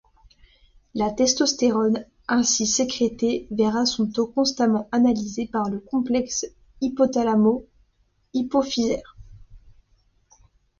La testostérone ainsi sécrétée verra son taux constamment analysé par le complexe hypothalamo-hypophysaire.